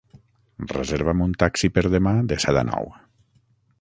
Reserva'm un taxi per demà de set a nou.